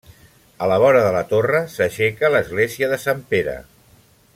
A la vora de la torre s'aixeca l'església de Sant Pere.